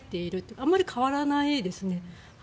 あんまり変わらないですね。